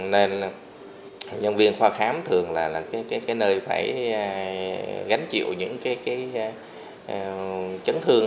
nên nhân viên khoa khám thường là nơi phải gánh chịu những chấn thương